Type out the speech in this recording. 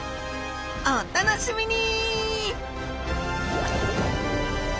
お楽しみに！